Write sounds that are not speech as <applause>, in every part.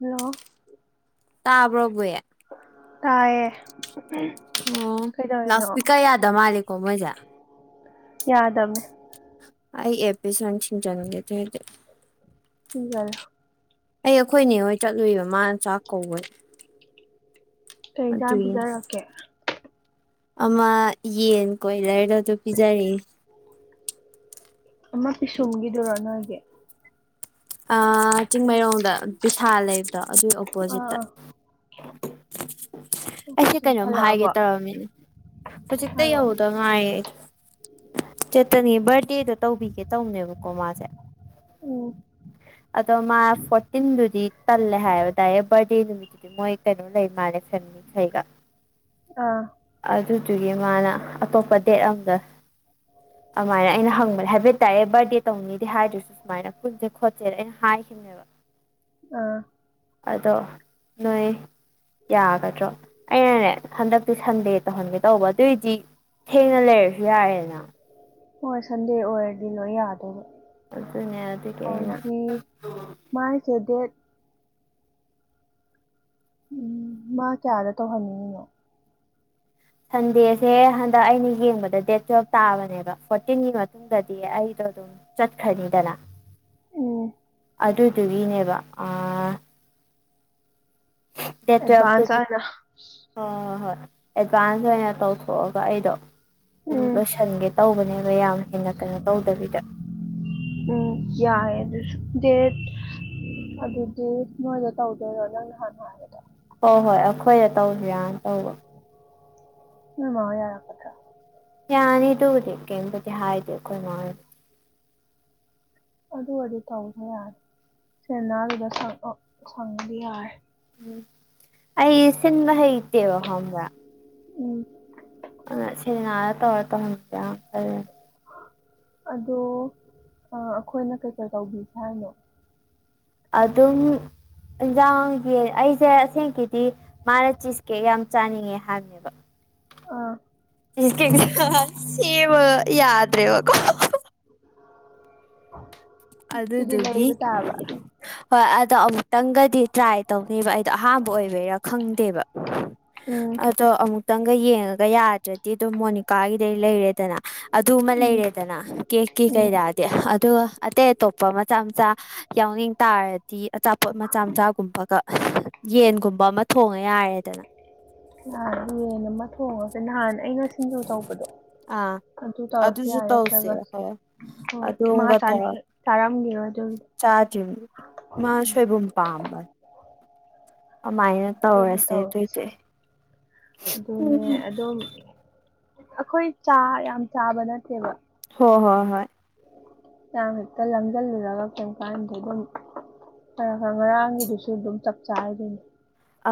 Hello ꯇꯕꯔꯣ ꯕꯤ ꯇꯌꯦ ꯑꯣ ꯂꯥꯎꯗ ꯁꯄꯤꯀꯔ ꯌꯥꯗ ꯃꯥꯜꯂꯦꯀꯣ ꯃꯣꯏꯁꯦ ꯌꯥꯗꯝꯃꯦ ꯑꯩ ꯑꯦꯄꯤꯁꯟ <unintelligible> <unintelligible> ꯑꯩ ꯑꯩꯈꯣꯏꯅꯦ ꯍꯣꯏ ꯆꯠꯂꯨꯏꯕ ꯃꯥꯅ ꯆꯥꯛ ꯀꯧꯕꯩ ꯀꯩ ꯌꯦꯟꯖꯥꯡ ꯄꯤꯖꯔꯛꯀꯦ <unintelligible> ꯑꯃ ꯌꯦꯟ ꯀꯣꯏꯂꯔꯗ ꯑꯗꯨ ꯄꯤꯖꯔꯦ ꯑꯃ ꯄꯤꯁꯨꯝꯒꯤꯗꯨꯔꯣ ꯅꯣꯏꯒꯤ ꯑꯥ ꯆꯤꯡꯃꯩꯔꯣꯡꯗ ꯕꯤꯁꯥꯜ ꯂꯩꯕꯗꯣ ꯑꯗꯨꯒꯤ ꯑꯥ ꯑꯥ ꯑꯣꯄꯣꯖꯤꯠꯇ ꯑꯩꯁꯦ ꯑꯣꯀꯦ ꯀꯩꯅꯣꯝ ꯍꯥꯏꯒꯦ ꯍꯜꯂꯛꯑꯕꯣ ꯇꯧꯔꯝꯃꯤꯅꯦ ꯍꯧꯖꯤꯛꯇ ꯍꯥꯏꯔꯛꯑꯣ ꯌꯧꯗꯣ ꯅꯨꯡꯉꯥꯏꯌꯦ ꯆꯦꯠꯇꯅꯤ ꯕꯔꯗꯦꯗꯣ ꯇꯧꯕꯤꯒꯦ ꯇꯧꯅꯦꯕꯀꯣ ꯃꯥꯁꯦ ꯎꯝ ꯑꯗꯣ ꯃꯥ ꯐꯣꯔꯇꯤꯟꯗꯨꯗꯤ ꯇꯜꯂꯦ ꯍꯥꯏꯕ ꯗꯥꯏꯌꯦ ꯕꯠ <unintelligible> ꯑꯥ ꯑꯗꯨꯗꯨꯒꯤ ꯃꯥꯅ ꯑꯇꯣꯞꯄ ꯗꯦꯠ ꯑꯝꯗ ꯑꯗꯨꯃꯥꯏꯅ ꯑꯩꯅ ꯍꯪꯕ ꯍꯥꯏꯕ ꯇꯥꯔꯦ ꯕꯥꯔꯊꯗꯦ ꯇꯧꯅꯤꯗꯦ ꯍꯥꯏꯗꯨꯁꯨ ꯁꯨꯃꯥꯏꯅ ꯄꯨꯟꯁꯦ ꯈꯣꯠ ꯔ ꯍꯥꯏꯈꯤꯝꯅꯦꯕ ꯑꯥ ꯑꯗꯣ ꯅꯣꯏ ꯌꯥꯒꯗ꯭ꯔꯣ ꯑꯩꯅꯅꯦ ꯍꯟꯗꯛꯇꯤ ꯁꯟꯗꯦ ꯇꯧꯍꯟꯒꯦ ꯇꯧꯕ ꯑꯗꯨꯏꯗꯤ ꯊꯦꯡꯅ ꯂꯩꯔꯁꯨ ꯌꯥꯔꯦꯅ ꯍꯣꯏ ꯁꯟꯗꯦ ꯑꯣꯏꯔꯗꯤ ꯂꯣꯏ ꯌꯥꯗꯣꯏꯅꯤ ꯑꯗꯨꯅꯦ ꯑꯗꯨꯒꯤ ꯑꯩꯅ ꯍꯧꯗꯤ ꯃꯥꯏ ꯗꯦꯠ ꯎꯝ ꯃꯥ ꯀꯌꯥꯗ ꯇꯧꯍꯟꯅꯤꯡꯉꯤꯅꯣ ꯊꯟꯗꯦꯁ ꯁꯦ ꯍꯟꯗꯛ ꯑꯩꯅ ꯌꯦꯡꯕꯗ ꯗꯦꯠ ꯇꯨꯋꯦꯜꯞ ꯇꯥꯕꯅꯦꯕ ꯐꯣꯔꯇꯤꯟꯒꯤ ꯃꯇꯨꯡꯗꯗꯤ ꯑꯩꯗꯣ ꯑꯗꯨꯝ ꯆꯠꯈꯔꯅꯤꯗꯅ ꯎꯝ ꯑꯗꯨꯗꯨꯒꯤꯅꯦꯕ ꯑꯥ ꯗꯦꯠ ꯇꯨꯌꯦꯞ ꯑꯦꯗꯚꯥꯟꯁ ꯇꯗꯤ ꯑꯣꯏꯅ ꯍꯣꯏ ꯍꯣꯏ ꯍꯣꯏ ꯑꯦꯗꯚꯥꯟꯁ ꯑꯣꯏꯅ ꯇꯧꯊꯣꯛꯑꯒ ꯑꯩꯗꯣ ꯁꯨꯝ ꯎꯝ ꯂꯣꯏꯁꯟꯒꯦ ꯇꯧꯕꯅꯦꯕ ꯌꯥꯝ ꯍꯦꯟꯅ ꯀꯩꯅꯣ ꯇꯧꯗꯕꯤꯗ ꯎꯝ ꯌꯥꯏꯌꯦ ꯑꯗꯨꯁꯨ ꯗꯦꯠ ꯑꯗꯨꯗꯤ ꯅꯣꯏꯗ ꯇꯧꯗꯣꯏꯔꯣ ꯅꯪꯅ ꯍꯥꯟꯅ ꯍꯥꯏ ꯍꯣꯏ ꯍꯣꯏ ꯑꯩꯈꯣꯏꯗ ꯇꯧꯁꯤꯔꯅ ꯇꯧꯕ ꯅꯣꯏ ꯃꯥꯅ ꯌꯥꯔꯛ ꯌꯥꯅꯤ ꯗꯨꯕꯨꯗꯤ ꯀꯔꯤꯝꯇꯗꯤ ꯍꯥꯏꯗꯦ ꯈꯣꯏ ꯃꯥꯅ ꯑꯗꯨ ꯑꯣꯏꯔꯗꯤ ꯇꯧꯕꯁꯨ ꯌꯥꯔꯦ ꯁꯦꯅꯥꯗꯨꯗ ꯁꯪ ꯑꯥ ꯁꯪꯉꯥꯗꯤ ꯌꯥꯔꯦ ꯎꯝ ꯑꯩ ꯁꯤꯟꯕ ꯍꯩꯇꯦꯕ ꯈꯝꯕ꯭ꯔꯥ ꯎꯝ ꯍꯣꯏ ꯁꯦꯡꯅ ꯍꯥꯏꯔꯀꯥꯟꯗ <unintelligible> ꯑꯗꯣ ꯑꯥ ꯑꯈꯣꯏꯅ ꯀꯩꯀꯩ ꯇꯧꯕꯤꯁꯦ ꯍꯥꯏꯅꯣ ꯑꯗꯨꯝ ꯏꯟꯖꯥꯡꯖꯦ ꯑꯩꯖꯦ ꯑꯁꯦꯡꯀꯤꯗꯤ ꯃꯥꯅ ꯆꯤꯁꯀꯦ ꯌꯥꯝ ꯆꯥꯅꯤꯡꯉꯦ ꯍꯥꯏꯕꯅꯦꯕ ꯑꯣ ꯆꯤꯁ ꯀꯦ ꯁꯦꯝꯕꯒ ꯌꯥꯗ꯭ꯔꯦꯕꯀꯣ <unintelligible> ꯑꯗꯨꯗꯤ ꯑꯗꯨꯗꯨꯒꯤ ꯂꯩꯕ ꯇꯥꯕ ꯍꯣꯏ ꯑꯗꯣ ꯑꯃꯨꯛꯇꯪꯒꯗꯤ ꯇ꯭ꯔꯥꯏ ꯇꯧꯅꯤꯕ ꯑꯩꯗꯣ ꯑꯍꯥꯟꯕ ꯑꯣꯏꯕꯩꯔꯥ ꯈꯪꯗꯦꯕ ꯎꯝ ꯑꯗꯣ ꯑꯃꯨꯛꯇꯪꯒ ꯌꯦꯡꯉꯒ ꯌꯥꯗ꯭ꯔꯗꯤ ꯗꯨꯝ ꯃꯣꯅꯤꯀꯥꯒꯤꯗꯩ ꯂꯩꯔꯦꯗꯅ ꯑꯗꯨꯃ ꯎꯝ ꯂꯩꯔꯦꯗꯅ ꯀꯦꯛꯀꯤ ꯎꯝ ꯀꯩꯔꯥꯗꯤ ꯑꯗꯨꯒ ꯑꯇꯩ ꯑꯇꯣꯞꯄ ꯃꯆꯥ ꯃꯆꯥ ꯌꯥꯎꯅꯤꯡ ꯇꯥꯔꯗꯤ ꯑꯆꯥꯄꯣꯠ ꯃꯆꯥ ꯃꯆꯥꯒꯨꯝꯕꯒ ꯌꯦꯟꯒꯨꯝꯕ ꯑꯃ ꯊꯣꯡꯉ ꯌꯥꯔꯦꯗꯅ ꯅꯍꯥꯟ ꯌꯦꯟ ꯑꯃ ꯊꯣꯡꯉꯒꯦ ꯅꯍꯥꯟ ꯑꯩꯅ ꯁꯤꯡꯖꯨ ꯇꯧꯕꯗꯣ ꯑꯥ ꯑꯗꯨ ꯇꯧꯔꯁꯨ ꯑꯗꯨꯁꯨ ꯌꯥꯔꯦ ꯇꯧꯁꯦ ꯅꯠꯇ꯭ꯔꯒꯁ ꯍꯣꯏ ꯍꯣꯏ ꯃꯥ ꯆꯥꯅꯤ ꯆꯥꯔꯝꯒꯤꯔꯣꯏ ꯑꯗꯨ ꯆꯥꯗ꯭ꯔꯤꯝꯅꯦ ꯃꯥ ꯁꯣꯏꯕꯨꯝ ꯄꯥꯝꯕꯅꯦ ꯑꯃꯥꯏꯅ ꯑꯗꯨꯗꯣ ꯇꯧꯔꯁꯦ ꯇꯧꯔꯁꯤ ꯇꯣꯏꯇꯤ <unintelligible> ꯑꯈꯣꯏ ꯆꯥ ꯌꯥꯝ ꯆꯥꯕ ꯅꯠꯇꯦꯕ ꯍꯣꯏ ꯍꯣꯏ ꯍꯣꯏ ꯌꯥꯝ ꯍꯦꯛꯇ ꯂꯥꯡꯖꯤꯜꯂꯨꯔꯒ ꯀꯩꯝ ꯀꯥꯟꯗꯦ ꯗꯨꯝ ꯍꯣꯏ ꯍꯣꯏ ꯉꯔꯥꯡꯒꯤꯗꯨꯁꯨ ꯗꯨꯝ ꯆꯞ ꯆꯥꯔꯤꯗꯨꯅꯤ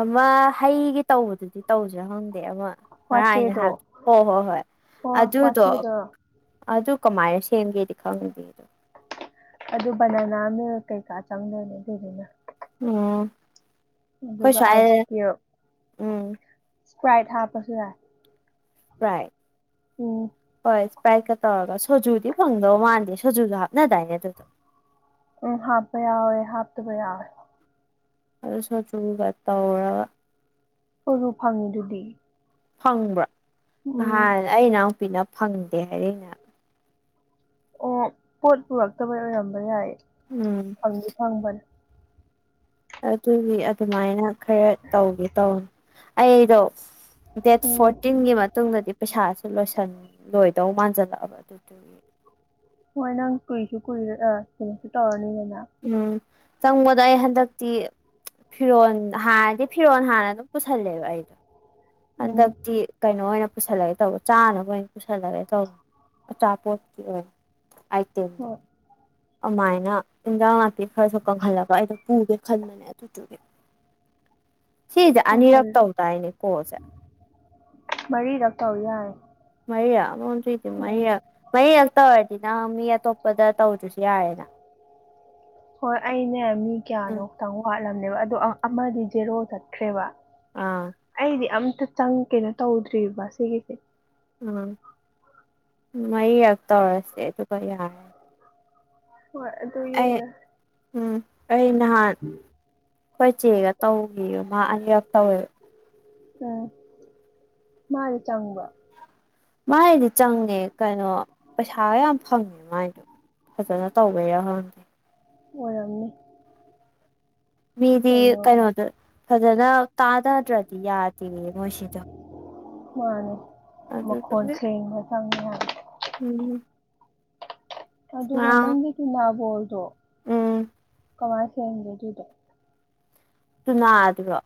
ꯑꯃ ꯍꯩꯒꯤ ꯇꯧꯕꯗꯨꯗꯤ ꯇꯧꯁ꯭ꯔꯥ ꯈꯪꯗꯦ ꯑꯃ ꯉꯔꯥꯡ ꯑꯩꯅ ꯋꯥꯆꯦꯗꯣ ꯍꯥꯏ ꯍꯣ ꯍꯣꯏ ꯍꯣꯏ ꯑꯣ ꯑꯗꯨꯗꯣ ꯋꯥꯆꯦꯗꯣ ꯑꯗꯨ ꯀꯃꯥꯏꯅ ꯁꯦꯝꯒꯦꯗꯤ ꯈꯪꯗꯦꯗꯣ ꯑꯗꯨ ꯕꯅꯅꯥꯅꯦ ꯀꯩꯀꯥ ꯆꯪꯗꯣꯏꯅꯦ ꯑꯗꯨꯗꯨꯅ ꯎꯝ ꯈꯣꯏ ꯑꯗꯨꯒ ꯑꯥꯏꯁ ꯁꯋ꯭ꯥꯏꯗ ꯀ꯭ꯌꯨꯕ ꯎꯝ ꯏꯁꯄ꯭ꯔꯥꯏꯠ ꯍꯥꯞꯄꯁꯨ ꯌꯥꯏ ꯁꯄ꯭ꯔꯥꯏꯠ ꯎꯝ ꯍꯣꯏ ꯏꯁꯄ꯭ꯔꯥꯏꯠꯀ ꯇꯧꯔꯒ ꯁꯣꯖꯨꯗꯤ ꯐꯪꯗꯧ ꯃꯥꯟꯗꯦ ꯁꯣꯖꯨꯗꯣ ꯍꯥꯞꯅꯗꯥꯏꯅꯦ ꯑꯗꯨꯗꯣ ꯎꯝ ꯍꯥꯞꯄ ꯌꯥꯎꯋꯦ ꯍꯥꯞꯇꯕ ꯌꯥꯎꯋꯦ ꯑꯗꯨ ꯁꯣꯆꯨꯒ ꯇꯧꯔꯒ ꯁꯣꯖꯨ ꯐꯪꯉꯤꯗꯨꯗꯤ ꯐꯪꯕ꯭ꯔꯥ ꯎꯝ ꯅꯍꯥꯟ ꯑꯩ ꯏꯅꯥꯎꯄꯤꯅ ꯐꯪꯗꯦ ꯍꯥꯏꯔꯛꯏꯅꯦ ꯍꯥꯏ ꯑꯣ ꯄꯣꯠ ꯄꯨꯔꯛꯇꯕꯩ ꯑꯣꯏꯔꯝꯕ ꯌꯥꯏꯌꯦ ꯎꯝ ꯐꯪꯗꯤ ꯐꯪꯕꯅꯦ ꯑꯗꯨꯒꯤ ꯑꯗꯨꯃꯥꯏꯅ ꯈꯔ ꯇꯧꯒꯦ ꯇꯧꯅꯤ ꯑꯩꯗꯣ ꯗꯦꯠ ꯎꯝ ꯐꯣꯔꯇꯤꯟꯒꯤ ꯃꯇꯨꯡꯗꯗꯤ ꯄꯩꯁꯥꯥꯁꯨ ꯂꯣꯏꯁꯟ ꯂꯣꯏꯗꯧ ꯃꯥꯟꯖꯜꯂꯛꯑꯕ ꯑꯗꯨꯗꯨꯒꯤ ꯍꯣꯏ ꯅꯪ ꯀꯨꯏꯁꯨ ꯀꯨꯏꯔꯦ ꯑ <unintelligible> ꯁꯨ ꯇꯧꯔꯅꯤꯗꯅ ꯎꯝ ꯆꯪꯕꯗ ꯑꯩ ꯍꯟꯗꯛꯇꯤ ꯐꯤꯔꯣꯟ ꯍꯥꯟꯅꯗꯤ ꯐꯤꯔꯣꯟ ꯍꯥꯟꯅ ꯑꯗꯨꯝ ꯄꯨꯁꯜꯂꯦꯕ ꯑꯩꯗꯣ ꯎꯝ ꯍꯟꯗꯛꯇꯤ ꯀꯩꯅꯣ ꯑꯣꯏꯅ ꯄꯨꯁꯜꯂꯒꯦ ꯇꯧ ꯆꯥꯅꯕ ꯑꯣꯏꯅ ꯄꯨꯁꯜꯂꯒꯦ ꯇꯧ ꯑꯆꯥꯄꯣꯠꯀꯤ ꯑꯣꯏꯅ ꯑꯥꯏꯇꯦꯝꯗꯣ ꯍꯣꯏ ꯑꯃꯥꯏꯅ ꯏꯟꯖꯥꯡ ꯅꯥꯄꯤ ꯈꯔꯁꯨ ꯀꯪꯍꯜꯂꯒ ꯑꯩꯗꯣ ꯄꯨꯒꯦ ꯈꯟꯕꯅꯦ ꯑꯗꯨꯗꯨꯒꯤ ꯁꯤꯖꯦ ꯀꯪꯍꯜ ꯑꯅꯤꯔꯛ ꯇꯧꯗꯥꯏꯅꯦ ꯀꯣꯜꯁꯦ ꯃꯔꯤꯔꯛ ꯇꯧꯔ ꯌꯥꯏ ꯃꯔꯤꯔꯛ ꯑꯣ ꯑꯗꯨꯏꯗꯤ ꯃꯔꯤꯔꯛ ꯃꯔꯤꯔꯛ ꯇꯧꯔꯗꯤ ꯅꯪ ꯃꯤ ꯑꯇꯣꯞꯄꯗ ꯇꯧꯗ꯭ꯔꯁꯨ ꯌꯥꯔꯦꯅ ꯍꯣꯏ ꯑꯩꯅꯦ ꯃꯤ ꯀꯌꯥꯅꯣ ꯎꯝ ꯈꯇꯪ ꯋꯥꯠꯂꯝꯅꯦꯕ ꯑꯗꯣ ꯑꯥ ꯑꯃꯗꯤ ꯖꯦꯔꯣ ꯆꯠꯈ꯭ꯔꯦꯕ ꯑꯥ ꯑꯩꯗꯤ ꯑꯝꯇ ꯆꯪ ꯀꯩꯅꯣ ꯇꯧꯗ꯭ꯔꯤꯕ ꯁꯤꯒꯤꯁꯦ ꯎꯝ ꯃꯌꯤꯌꯛ ꯇꯧꯔꯁꯦ ꯑꯗꯨꯒ ꯌꯥꯔꯦ ꯍꯣꯏ ꯑꯗꯨ ꯑꯩ ꯌꯦꯡꯉ ꯎꯝ ꯑꯩ ꯅꯍꯥꯟ ꯈꯣꯏꯆꯦꯒ ꯇꯧꯒꯤꯕ ꯃꯥ ꯑꯅꯤꯔꯛ ꯇꯧꯋꯦꯕ ꯑꯥ ꯃꯥꯗꯤ ꯆꯪꯕ꯭ꯔꯣ ꯃꯥꯏꯗꯤ ꯆꯪꯉꯦ ꯀꯩꯅꯣ ꯄꯩꯁꯥꯌꯥ ꯌꯥꯝ ꯐꯪꯉꯦ ꯃꯥꯏꯗꯣ ꯐꯖꯅ ꯇꯧꯕꯩꯔ ꯈꯪꯗꯦ ꯑꯣꯏꯔꯝꯅꯤ ꯃꯤꯗꯤ ꯀꯩꯅꯣ ꯀꯩꯅꯣꯗ ꯐꯖꯅ ꯇꯥꯗꯗ꯭ꯔꯗꯤ ꯌꯥꯗꯦꯌꯦ ꯃꯣꯏꯁꯤꯗꯣ ꯃꯥꯅꯦ ꯃꯈꯣꯟ ꯑꯗꯨꯗꯨꯒꯤ ꯁꯦꯡꯕ ꯆꯪꯉꯦ ꯌꯥꯝ__ ꯎꯝ ꯑꯗꯨꯒ ꯉꯔꯥꯡ ꯅꯪꯒꯤ ꯇꯨꯅꯥꯕꯣꯜꯗꯣ ꯎꯝ ꯀꯃꯥꯏ ꯁꯦꯝꯒꯦ ꯑꯗꯨꯗꯣ ꯇꯨꯅꯥ ꯗꯨꯔꯣ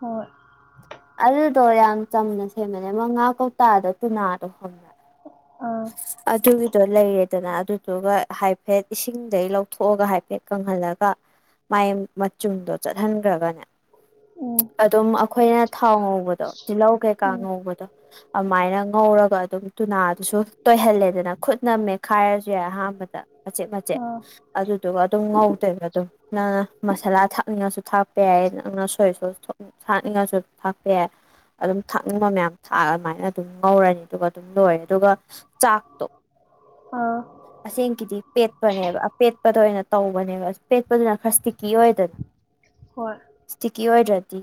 ꯍꯣꯏ ꯑꯗꯨꯗꯣ ꯌꯥꯝ ꯆꯝꯅ ꯁꯦꯝꯕꯅꯦ ꯃ ꯉꯥ ꯀꯧꯇꯥꯗ ꯇꯨꯅꯥꯗꯣ ꯈꯪꯕꯔꯥ ꯑꯥ ꯑꯗꯨꯒꯤꯗꯣ ꯂꯩꯔꯦꯗꯅ ꯑꯗꯨꯗꯨꯒ ꯍꯥꯏꯐꯦꯠ ꯏꯁꯤꯡꯗꯩ ꯂꯧꯊꯣꯛꯑꯒ ꯍꯥꯏꯐꯦꯠ ꯀꯪꯍꯜꯂꯒ ꯃꯥꯏ ꯃꯆꯨꯝꯗꯣ ꯆꯠꯍꯟꯒ꯭ꯔꯒꯅꯦ ꯎꯝ ꯑꯗꯨꯝ ꯑꯩꯈꯣꯏꯅ ꯊꯥꯎ ꯉꯧꯕꯗꯣ ꯇꯤꯜꯂꯧ ꯀꯩꯀꯥ ꯎꯝ ꯉꯧꯕꯗꯣ ꯑꯃꯥꯏꯅ ꯉꯧꯔꯒ ꯑꯗꯨꯝ ꯇꯨꯅꯥꯗꯨꯁꯨ ꯇꯣꯏꯍꯜꯂꯦꯗꯅ ꯈꯨꯠꯅ ꯃꯦꯠꯈꯥꯏꯔꯁꯨ ꯌꯥꯏ ꯑꯍꯥꯟꯕꯗ ꯃꯆꯦꯠ ꯃꯆꯦꯠ ꯑꯥ ꯑꯗꯨꯗꯨꯒ ꯑꯗꯨꯝ ꯉꯧꯗꯣꯏꯕ ꯑꯗꯨꯝ ꯅꯪꯅ ꯃꯁꯥꯂꯥ ꯊꯥꯛꯅꯤꯡꯉꯁꯨ ꯊꯥꯛꯄ ꯌꯥꯏꯌꯦ ꯅꯪꯅ ꯁꯣꯏꯁ ꯁꯣꯁꯊ ꯎꯪ ꯊꯥꯛꯅꯤꯡꯉꯥꯁꯨ ꯊꯥꯛꯄꯌꯥꯏ ꯑꯗꯨꯝ ꯊꯥꯛꯅꯤꯡꯕ ꯃꯌꯥꯝ ꯊꯥꯛꯑ ꯑꯗꯨꯃꯥꯏꯅ ꯑꯗꯨꯝ ꯉꯧꯔꯅꯤ ꯑꯗꯨꯒ ꯑꯗꯨꯝ ꯂꯣꯏꯔꯦ ꯑꯗꯨꯒ__ ꯆꯥꯥꯛꯇꯣ ꯑꯥ ꯑꯁꯦꯡꯀꯤꯗꯤ ꯄꯦꯠꯄꯅꯦꯕ ꯑꯄꯦꯠꯄꯗ ꯑꯣꯏꯅ ꯇꯧꯕꯅꯦꯕ ꯄꯦꯠꯄꯗꯨꯅ ꯈꯔ ꯏꯁꯇꯤꯛꯀꯤ ꯑꯣꯏꯗꯅ ꯍꯣꯏ ꯏꯁꯇꯤꯛꯀꯤ ꯑꯣꯏꯗ꯭ꯔꯗꯤ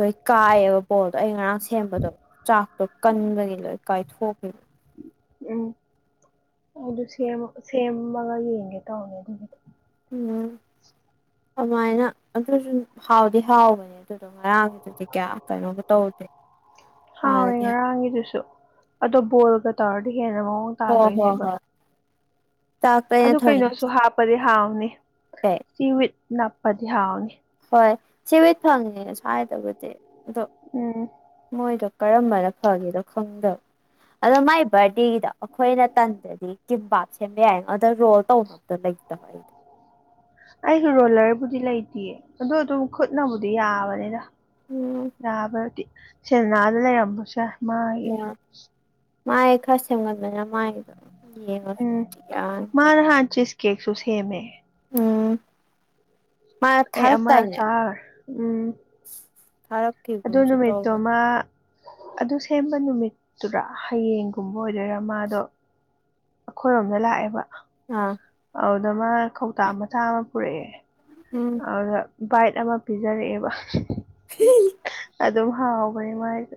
ꯂꯣꯏ ꯀꯥꯏꯌꯦꯕ ꯕꯣꯜꯗꯣ ꯑꯩ ꯉꯔꯥꯡ ꯁꯦꯝꯕꯗꯣ ꯆꯥꯛꯇꯣ ꯀꯟꯕꯒꯤ ꯂꯣꯏ ꯀꯥꯏꯊꯣꯛꯈꯤꯕ ꯎꯝ ꯑꯗꯨ ꯁꯦꯝ ꯁꯦꯝꯃꯒ ꯌꯦꯡꯒꯦ ꯇꯧꯅꯦ ꯑꯗꯨꯒꯤꯗꯣ ꯎꯝ ꯑꯗꯨꯃꯥꯏꯅ ꯑꯗꯨꯁꯨꯨꯝ ꯍꯥꯎꯗꯤ ꯍꯥꯎꯕꯅꯤ ꯑꯗꯨꯗꯣ ꯉꯔꯥꯡꯒꯤꯗꯨꯗꯤ ꯀꯌꯥ ꯀꯩꯅꯣꯒ ꯇꯧꯗꯦ ꯍꯥꯎꯋꯦ ꯍꯥꯟꯅꯗꯤ ꯉꯔꯥꯡꯒꯤꯗꯨꯁꯨ ꯑꯗꯣ ꯕꯣꯜꯒ ꯇꯥꯔꯗꯤ ꯍꯦꯟꯅ ꯃꯑꯣꯡ ꯍꯣꯏ ꯍꯣꯏ ꯇꯥꯗꯣꯏꯅꯦꯕ ꯍꯣꯏ ꯆꯥꯛꯇꯣ ꯑꯩꯅ ꯑꯗꯨ ꯀꯩꯅꯣꯁꯨ ꯍꯥꯞꯄꯗꯤ ꯍꯥꯎꯅꯤ ꯄꯦ ꯁꯤ ꯋꯤꯠ ꯅꯞꯄꯗꯤ ꯍꯥꯎꯅꯤ ꯍꯣꯏ ꯁꯤ ꯋꯤꯠ ꯐꯪꯉꯦ ꯁꯥꯏꯗꯕꯨꯗꯤ ꯑꯗꯣ ꯎꯝ ꯃꯣꯏꯗꯣ ꯀꯔꯝꯕꯅ ꯐꯒꯦꯗꯣ ꯈꯪꯗꯕ ꯑꯗꯣ ꯃꯥꯏ ꯕꯥꯔꯗꯦꯒꯤꯗꯣ ꯑꯩꯈꯣꯏꯅ ꯇꯟꯗꯔꯗꯤ ꯀꯤꯝꯕꯥꯞ ꯁꯦꯝꯕ ꯌꯥꯏꯌꯦꯉꯣ ꯑꯗꯣ ꯔꯣꯜ ꯇꯧꯅꯕꯗꯣ ꯂꯩꯇꯕ ꯑꯩꯗꯣ ꯑꯩꯁꯨ ꯔꯣꯂꯔꯕꯨꯗꯤ ꯂꯩꯇꯤꯌꯦ ꯑꯗꯨ ꯑꯗꯨꯝ ꯈꯨꯠꯅꯕꯨꯗꯤ ꯌꯥꯕꯅꯤꯗ ꯎꯝ ꯌꯥꯕꯗꯤ ꯁꯦꯟꯅꯥꯗ ꯂꯩꯔꯝꯕꯁꯨ ꯌꯥꯏ ꯃꯥꯒꯤ ꯑꯣ ꯃꯥꯏ ꯈꯔ ꯁꯦꯝꯒꯟꯕꯅꯦ ꯃꯥꯏꯗꯨꯗ ꯎꯝ ꯃ ꯅꯍꯥꯟ ꯆꯤꯁ ꯀꯦꯛꯁꯨ ꯁꯦꯝꯃꯦ ꯎꯝ ꯃꯥ ꯊꯥꯔꯛꯇꯥꯏꯅꯦ ꯑꯥ ꯎꯝ ꯐꯔꯞ ꯑꯗꯨ ꯅꯨꯃꯤꯠꯇꯣ ꯃ ꯑꯗꯨ ꯁꯦꯝꯕ ꯅꯨꯃꯤꯠꯇꯔꯥ ꯍꯌꯦꯡꯒꯨꯝꯕ ꯑꯣꯏꯗꯣꯏꯔꯥ ꯃꯥꯗꯣ ꯑꯩꯈꯣꯏꯔꯣꯝꯗ ꯂꯥꯛꯑꯦꯕ ꯑꯥ ꯑꯗꯨꯗ ꯃꯥ ꯀꯧꯇꯥ ꯃꯆꯥ ꯑꯃ ꯄꯨꯔꯛꯑꯦ ꯎꯝ ꯑꯗꯨꯗ ꯕꯥꯏꯠ ꯑꯃ ꯄꯤꯖꯔꯛꯑꯦꯕ ꯑꯗꯨꯝ ꯍꯥꯎꯕꯅꯦ ꯃꯥꯥꯏꯗꯣ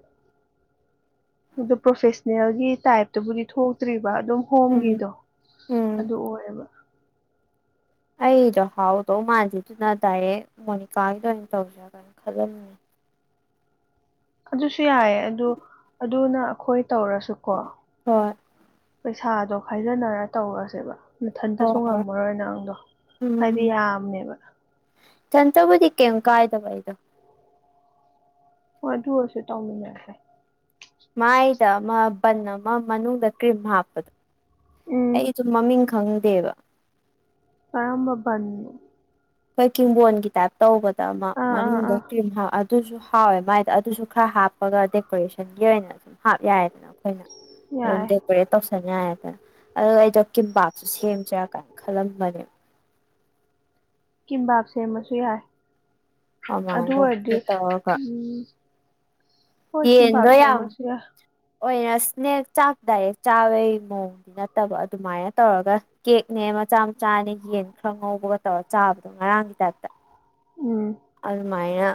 ꯑꯗꯨ ꯄ꯭ꯔꯣꯐꯦꯁꯅꯦꯜꯒꯤ ꯇꯥꯏꯞꯇꯕꯨꯗꯤ ꯊꯣꯛꯇ꯭ꯔꯤꯕ ꯑꯗꯨꯝ ꯎꯝ ꯍꯣꯝꯒꯤꯗꯣ ꯎꯝ ꯑꯗꯨ ꯑꯣꯏꯌꯦꯕ ꯑꯩꯗꯣ ꯍꯥꯎꯗꯧ ꯃꯥꯥꯟꯗꯦꯗꯨꯅ ꯗꯥꯏꯔꯦꯛ ꯃꯣꯅꯤꯀꯥꯒꯤꯗ ꯑꯣꯏꯅ ꯇꯧꯖꯤꯔ ꯈꯜꯂꯝꯃꯤꯅꯦ ꯑꯗꯨꯁꯨ ꯌꯥꯏꯌꯦ ꯑꯗꯨ ꯑꯗꯨꯅ ꯑꯩꯈꯣꯏ ꯇꯧꯔꯁꯨꯀꯣ ꯍꯣꯏ ꯄꯩꯁꯥꯗꯣ ꯈꯥꯏꯖꯟꯅꯔ ꯇꯧꯔꯁꯦꯕ ꯃꯊꯟꯇꯁꯨ ꯍꯣꯏ ꯍꯣꯏ ꯉꯝꯃꯔꯣꯏ ꯅꯪꯗꯣ ꯍꯥꯏꯗꯤ ꯌꯥꯝꯃꯦꯕ ꯀꯩꯝꯇꯕꯨꯗꯤ ꯀꯩꯝ ꯀꯥꯏꯗꯕ ꯑꯩꯗꯣ ꯍꯣꯏ ꯑꯗꯨ ꯑꯣꯏꯔꯁꯨ ꯇꯧꯃꯤꯟꯅꯔꯁꯦ ꯃꯥꯏꯗ ꯑꯃ ꯕꯟ ꯑꯃ ꯃꯅꯨꯡꯗ ꯀ꯭ꯔꯤꯝ ꯍꯥꯞꯄꯗꯣ ꯎꯝ ꯑꯩꯁꯨ ꯃꯃꯤꯡ ꯈꯪꯗꯦꯕ ꯀꯔꯝꯕ ꯕꯟꯅꯣ ꯑꯃ ꯀꯤꯡꯕꯣꯟꯒꯤ ꯇꯥꯏꯞ ꯇꯧꯕꯗ ꯑꯃ ꯑꯥ ꯑꯥ ꯃꯅꯨꯡꯗ ꯑꯥ ꯀ꯭ꯔꯤꯝ ꯑꯗꯨꯁꯨ ꯍꯥꯎ ꯑꯦ ꯃꯥꯏꯗ ꯑꯗꯨꯁꯨ ꯈꯔ ꯍꯥꯞꯄꯒ ꯗꯦꯀꯣꯔꯦꯁꯟꯒꯤ ꯑꯣꯏꯅ ꯑꯗꯨ ꯍꯥꯞ ꯌꯥꯏꯗꯅ ꯑꯩꯈꯣꯏꯅ ꯑꯗꯨꯝ ꯌꯥꯏ ꯑꯣꯏꯔꯦ ꯇꯧꯁꯟꯌꯥꯏꯗꯅ ꯑꯗꯨꯒ ꯑꯩꯗꯣ ꯀꯤꯝꯄꯥꯛꯁꯨ ꯁꯦꯝꯖꯤꯔ ꯀꯥꯏꯅ ꯈꯜꯂꯝꯕꯅꯦꯕ ꯀꯤꯝꯕꯥꯞ ꯁꯦꯝꯃꯁꯨ ꯌꯥꯏ ꯑꯗꯨ ꯑꯗꯨꯃꯥꯏꯅ ꯑꯣꯏꯔꯗꯤ ꯇꯧꯔꯒ ꯎꯝ ꯍꯣꯏ ꯀꯤꯝꯕꯥꯞ ꯌꯦꯟꯗꯣ ꯌꯥꯝ ꯁꯦꯝꯃꯁꯨ ꯌꯥꯏ ꯑꯣꯏꯅ ꯏꯁꯅꯦꯛ ꯆꯥꯛ ꯗꯥꯏꯔꯦꯛ ꯆꯥꯕꯩ ꯃꯑꯣꯡ ꯅꯠꯇꯕ ꯑꯗꯨꯃꯥꯏꯅ ꯇꯧꯔꯒ ꯀꯦꯛꯅꯦ ꯃꯆꯥ ꯃꯆꯥꯅꯦ ꯌꯦꯟ ꯈꯔ ꯉꯧꯕꯒ ꯇꯧꯔ ꯆꯥꯕꯗꯣ ꯉꯔꯥꯡꯒꯤ ꯇꯥꯏꯞꯇ ꯎꯝ ꯑꯗꯨ ꯃꯥꯏꯅ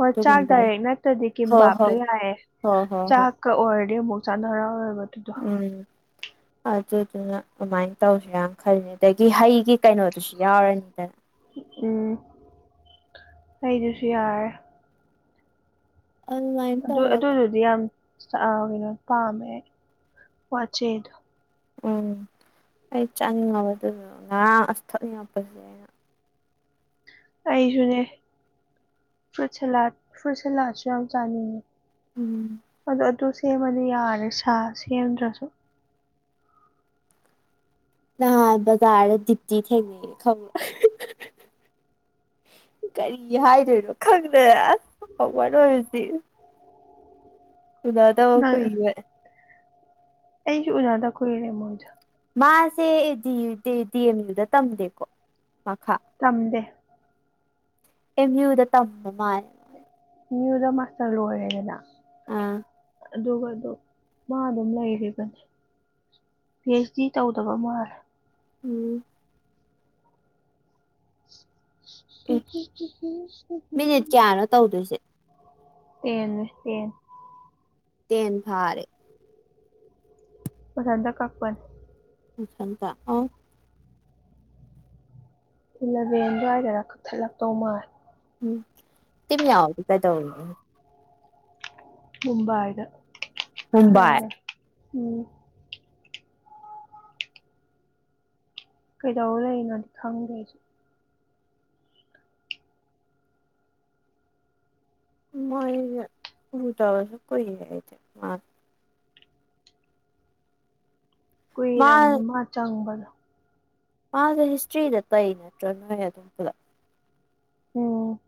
ꯍꯣꯏ ꯆꯥꯛ ꯗꯥꯏꯔꯦꯛ ꯅꯠꯇ꯭ꯔꯗꯤ ꯍꯣ ꯍꯣ ꯀꯤꯝꯕꯥꯞꯇꯣ ꯌꯥꯏꯑꯦ ꯍꯣ ꯍꯣ ꯆꯥꯛ ꯍꯣꯏ ꯆꯥꯛ ꯑꯣꯏꯔꯗꯤ ꯑꯃꯨꯛ ꯆꯥꯟꯅꯔ ꯑꯣꯏꯔ ꯎꯝ ꯑꯗꯨꯗꯨꯅ ꯑꯗꯨꯃꯥꯏꯅ ꯇꯧꯁꯤ ꯇꯧꯁꯤꯔꯥꯅ ꯈꯜꯂꯤꯅꯤ ꯑꯗꯒꯤ ꯍꯩꯒꯤ ꯀꯩꯅꯣꯗꯨꯁꯨ ꯌꯥꯎ ꯑꯣꯏꯗ ꯎꯝ ꯑꯩꯗꯨꯁꯨ ꯌꯥꯔꯦ ꯑꯣꯟꯂꯥꯏ ꯑꯗꯨ ꯑꯗꯨꯗꯨꯗꯤ ꯌꯥꯝ ꯀꯩꯅꯣ ꯄꯥꯝꯃꯦ ꯋꯥꯆꯦꯗꯣ ꯎꯝ ꯑꯩ ꯆꯥꯅꯤꯡꯉꯕꯗꯨꯗꯨ ꯉꯔꯥꯡ ꯑꯁ ꯊꯛꯅꯤꯡꯉꯛꯄꯁꯦ ꯑꯩꯅ ꯑꯩꯁꯨꯅꯦ ꯐ꯭ꯔꯨꯠ ꯁꯦꯂꯥꯠ ꯐ꯭ꯔꯨꯠ ꯁꯦꯂꯥꯠꯁꯨ ꯌꯥꯝ ꯆꯥꯅꯤꯡꯉꯤ ꯎꯝ ꯑꯗꯨ ꯑꯗꯨ ꯁꯦꯝꯃꯗꯤ ꯌꯥꯔꯦ ꯁꯥ ꯁꯦꯝꯗ꯭ꯔꯁꯨ ꯅꯍꯥꯟ ꯕꯖꯥꯔ ꯗꯤꯞꯇꯤ ꯊꯦꯡꯅꯩꯌꯦ ꯈꯪꯕꯔ ꯀꯔꯤ ꯍꯥꯏꯗꯣꯏꯅꯣ ꯈꯪꯗ꯭ꯔꯦ ꯉꯝꯃꯥꯔꯣꯏ ꯍꯨꯖꯤꯛ ꯎꯅꯗꯕ ꯅꯪ ꯀꯨꯏꯕꯩ ꯑꯩꯁꯨ ꯎꯅꯗꯕ ꯀꯨꯏꯔꯦ ꯃꯣꯏꯗ ꯃꯥꯁꯦ ꯗꯤ ꯑꯦꯝ ꯌꯨꯗ ꯇꯝꯗꯦꯀꯣ ꯃꯈꯥ ꯇꯝꯗꯦ ꯑꯦꯝ ꯌꯨꯗ ꯇꯝꯕ ꯃꯥꯜꯂꯦ ꯑꯦꯝ ꯌꯨꯗ ꯃꯥꯁꯇꯔ ꯂꯣꯏꯔꯦꯗꯅ ꯑꯥ ꯑꯗꯨꯒ ꯑꯗꯨ ꯃꯥ ꯑꯗꯨꯝ ꯂꯩꯔꯤꯕꯅꯤ ꯄꯤ ꯑꯩꯆ ꯗꯤ ꯇꯧꯗꯕ ꯃꯥꯜꯂꯦ ꯎꯝ ꯑꯦ ꯃꯤꯅꯤꯠ ꯎ ꯀꯌꯥꯅꯣ ꯇꯧꯗꯣꯏꯁꯦ ꯇꯦꯟꯅꯦ ꯇꯦꯟꯟꯟ ꯇꯦꯟ ꯐꯥꯔꯦ ꯃꯊꯟꯇ ꯀꯛꯄꯅꯤ ꯃꯊꯟꯇ ꯏꯂꯚꯦꯟ ꯑꯗꯨꯋꯥꯏꯗꯔ ꯀꯛꯊꯠꯂꯛꯇꯧ ꯃꯥꯜꯦ ꯎꯝ ꯇꯤꯝ ꯌꯥꯎꯗꯤ ꯀꯥꯏꯗꯧ ꯑꯣꯏ ꯃꯨꯝꯕꯥꯏꯗ ꯃꯨꯝꯕꯥꯏ ꯂꯩꯕꯅꯦ ꯎꯝ ꯀꯩꯗꯧ ꯂꯩꯅꯣꯗꯤ ꯈꯪꯗꯦ ꯑꯩꯁꯨ ꯃꯣꯏ ꯎꯗꯕꯥꯁꯨ ꯀꯨꯏꯅ ꯑꯩꯗꯤ ꯃꯥ ꯀꯨꯏꯔꯝꯃꯤ ꯃꯥ ꯆꯪꯕꯗꯣ ꯃꯥꯁꯦ ꯍꯤꯁꯇ꯭ꯔꯤꯗ ꯇꯩꯔꯤ ꯅꯠꯇ꯭ꯔꯣ ꯅꯣꯏ ꯑꯗꯨꯝ ꯄꯨꯂꯞ ꯎꯝ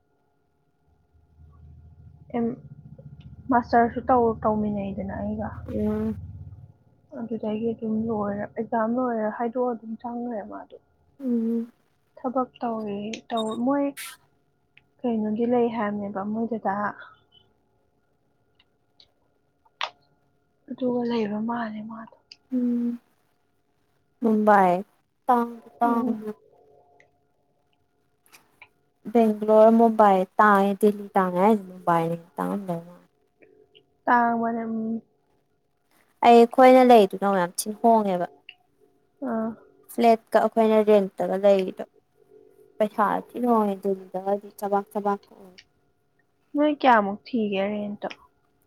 ꯑꯦꯝ ꯃꯥꯁꯇꯔꯁꯨ ꯇꯧ ꯇꯧꯃꯤꯟꯅꯩꯗꯅ ꯑꯩꯒ ꯎꯝ ꯑꯗꯨꯗꯒꯤ ꯑꯗꯨꯝ ꯂꯣꯏꯔ ꯑꯦꯛꯖꯥꯝ ꯂꯣꯏꯔ ꯍꯥꯏꯗꯣꯛꯑ ꯑꯗꯨꯝ ꯆꯪꯈ꯭ꯔꯦ ꯃꯥꯗꯣ ꯎꯝ ꯊꯕꯛ ꯇꯧꯋꯧ ꯃꯣꯏ ꯀꯩꯅꯣꯗꯤ ꯂꯩ ꯍꯥꯏꯕꯅꯦꯕ ꯃꯣꯏꯗꯨꯗ ꯑꯗꯨꯒ ꯂꯩꯕ ꯃꯥꯜꯂꯦ ꯃꯥꯗꯣ ꯎꯝ ꯃꯨꯝꯕꯥꯏꯥ ꯎꯝ ꯕꯦꯡꯒ꯭ꯂꯣꯔ ꯃꯨꯝꯕꯥꯏ ꯇꯥꯡꯉꯦ ꯗꯤꯟ ꯇꯥꯡꯉꯦ ꯍꯥꯏꯖꯤ ꯃꯨꯝꯕꯥꯏꯅ ꯇꯥꯡꯉꯝꯗꯧ ꯃꯥ ꯇꯥꯡ ꯃꯅꯝ ꯑꯩ ꯑꯈꯣꯏꯅ ꯂꯩꯗꯨꯅ ꯃꯌꯥꯝ ꯊꯤ ꯍꯣꯡꯉꯦꯕ꯫ <unintelligible> ꯑꯥ꯫ ꯐ꯭ꯂꯦꯠꯀ ꯑꯈꯣꯏꯅ ꯔꯦꯟꯇꯒ ꯂꯩꯔꯤꯗꯣ꯫ ꯄꯩꯁꯥ ꯊꯤꯅ ꯍꫭꯡꯉꯦ ꯗꯤꯟ ꯗꯕꯗꯤ ꯆꯕꯥꯛ ꯆꯕꯥꯛꯀ ꯑꯣꯏ꯫ ꯅꯣꯏ ꯀꯌꯥꯃꯨꯛ ꯊꯤꯒꯦ ꯔꯦꯟꯇꯣ꯫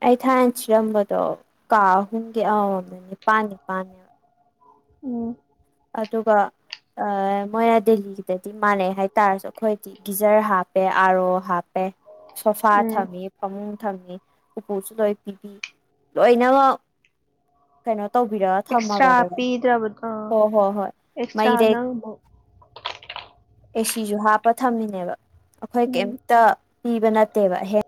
ꯑꯩ ꯊꯥꯏꯅ ꯊꯤꯔꯝꯕꯗꯣ ꯀꯥ ꯑꯍꯨꯝꯒꯤ ꯑꯃꯃꯝꯗ ꯅꯤꯄꯥꯟ ꯅꯤꯄꯥꯥꯟꯅꯦ꯫ ꯎꯝ ꯑꯗꯨꯒ ꯑ ꯃꯣꯏ ꯑꯥ ꯗꯦꯜꯂꯤꯗꯗꯤ ꯃꯥꯟꯅꯩ ꯍꯥꯏꯇꯥꯔꯁꯨ ꯑꯈꯣꯏꯗꯤ ꯒꯤꯖꯔ ꯍꯥꯞꯄꯦ ꯑꯥꯔꯣ ꯍꯥꯞꯄꯦ ꯁꯣꯐꯥ ꯎꯝ ꯊꯝꯃꯤ꯫ ꯐꯃꯨꯡ ꯊꯝꯅꯤ ꯎꯄꯨꯁꯨ ꯂꯣꯏ ꯄꯤꯕꯤ ꯂꯣꯏꯅꯃꯛ ꯀꯩꯅꯣ ꯇꯧꯕꯤꯔ ꯑꯦꯛꯁꯇ꯭ꯔꯥ ꯊꯝꯃꯕꯅꯦꯕ꯫ <inaudible> <unintelligible> ꯍꯣ ꯍꯣ ꯍꯣꯏ ꯑꯦꯛꯁꯇ꯭ꯔꯥ ꯃꯩꯗꯩ ꯅꯪ ꯑꯃꯨꯛ ꯑꯦꯁꯤꯁꯨ ꯍꯥꯞꯄ ꯊꯝꯃꯤꯅꯦꯕ ꯑꯈꯣꯏ ꯎꯝ ꯀꯩꯝꯇ ꯄꯤꯕ ꯅꯠꯇꯦꯕ ꯑꯍꯦꯟ